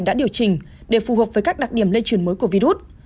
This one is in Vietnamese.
đã điều chỉnh để phù hợp với các đặc điểm lây truyền mới của virus